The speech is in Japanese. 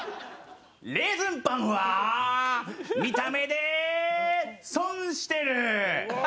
レーズンパンは見た目で損してる！